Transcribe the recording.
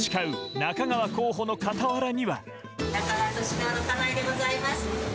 中川俊直の家内でございます。